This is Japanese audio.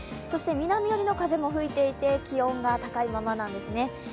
そして南寄りの風も吹いていて、気温も高いままなんですね。